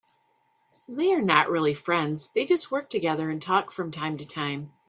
They are not really friends, they just work together and talk from time to time.